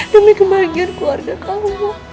demi kebahagiaan keluarga kamu